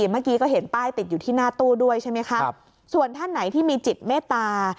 เมื่อกี้ก็เห็นป้ายติดอยู่ที่หน้าตู้ด้วยใช่ไหมคะส่วนท่านไหนที่มีจิตเมตตา